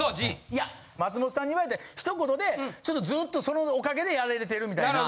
いや松本さんに言われた一言でちょっとずっとそのおかげでやれてるみたいな。